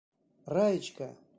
Раечка!